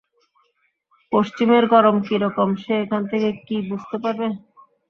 পশ্চিমের গরম কি রকম সে এখান থেকে কি বুঝতে পারবেন!